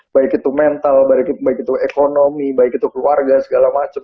baik itu mental baik itu ekonomi baik itu keluarga segala macam